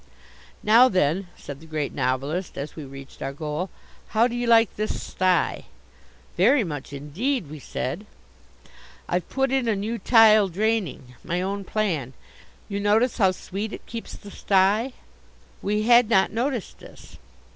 "Now then," said the Great Novelist as we reached our goal, "how do you like this stye?" "Very much indeed," we said. "I've put in a new tile draining my own plan. You notice how sweet it keeps the stye." We had not noticed this.